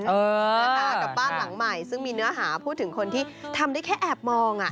กับบ้านหลังใหม่ซึ่งมีเนื้อหาพูดถึงคนที่ทำได้แค่แอบมอง